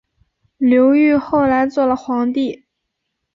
刘裕后来做了皇帝。